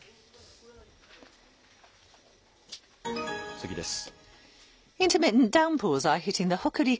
次です。